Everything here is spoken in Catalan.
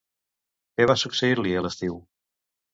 Què va succeir-li a l'estiu?